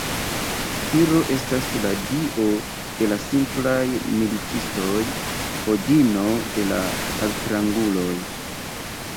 Tiro estas la dio de la simplaj militistoj, Odino de la altranguloj.